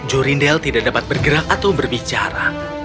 jorindel tidak dapat bergerak atau berbicara